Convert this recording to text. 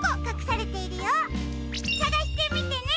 さがしてみてね！